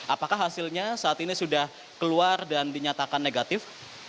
apakah hasilnya saat ini sudah keluar dan dinyatakan negatif